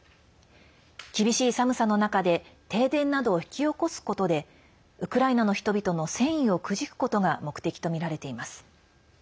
厳しい寒さの中で停電などを引き起こすことでウクライナの人々の戦意をくじくことが目的とみられています。